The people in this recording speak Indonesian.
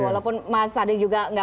walaupun mas ade juga nggak